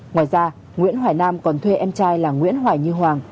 ngoài ra nguyễn hoài nam còn thuê em trai là nguyễn hoài như hoàng